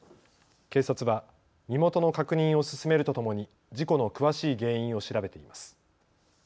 警察は身元の確認を進めるとともに事故の詳しい原因を調べています。